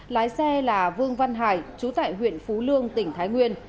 lái xe là vương văn hải chú tại huyện phú lương tỉnh thái nguyên